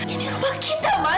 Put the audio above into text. ini rumah kita mas